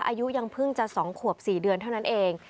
อายุยังเพิ่งจะ๒ขวบ๔เดือนเท่านั้นเอง